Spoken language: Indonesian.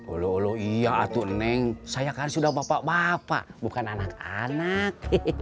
ulu ulu iya atu neng saya kan sudah bapak bapak bukan anak anak